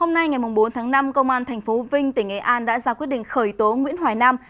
hôm nay ngày bốn tháng năm công an tp vinh tỉnh nghệ an đã ra quyết định khởi tố nguyễn hoài nam